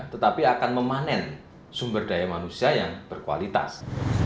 tetapi akan memanen sumber daya manusia yang berkualitas